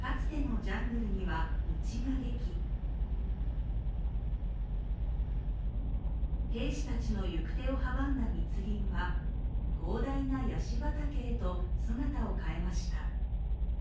かつてのジャングルには道ができ兵士たちの行く手を阻んだ密林は広大なやし畑へと姿を変えました。